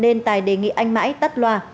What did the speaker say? nên tài đề nghị anh mãi tắt loa